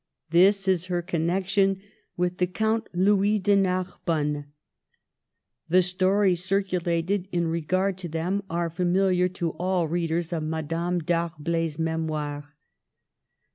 This is her connection with the Count Louis de Narbonne. The stories circu lated in regard to them are familiar to all readers of Madame d'Arblay's memoirs. Dr.